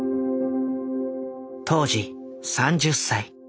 当時３０歳。